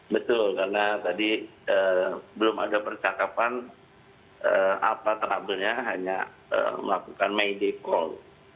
betul karena tadi belum ada percakapan apa terapernya hanya melakukan medical